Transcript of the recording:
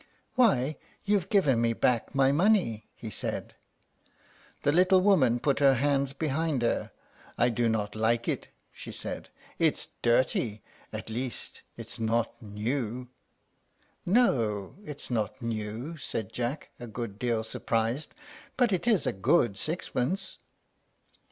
"Why, you've given me back my money!" he said. The little woman put her hands behind her. "I do not like it," she said; "it's dirty; at least, it's not new." "No, it's not new," said Jack, a good deal surprised, "but it is a good sixpence."